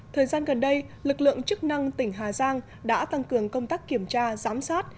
thời gian gần đây lực lượng chức năng tỉnh hà giang đã tăng cường công tác kiểm tra giám sát